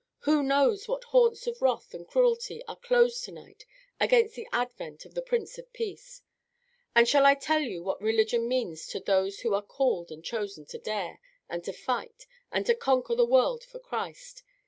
who knows what haunts of wrath and cruelty are closed tonight against the advent of the Prince of Peace? And shall I tell you what religion means to those who are called and chosen to dare, and to fight, and to conquer the world for Christ?